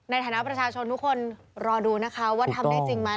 ในฐานะประชาชนทุกคนรอดูนะคะว่าทำได้จริงไหม